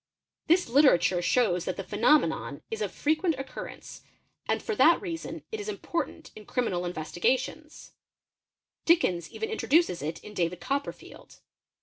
This literature shows that the phenomenon is frequent occurrence and for that reason it is important in criminal ve pee setions Dickens even introduces it in David Copperfield.